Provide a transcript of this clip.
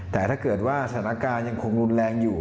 แต่ถ้าเกิดว่าสถานการณ์ยังคงรุนแรงอยู่